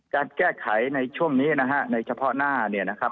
การแก้ไขในช่วงนี้นะฮะในเฉพาะหน้าเนี่ยนะครับ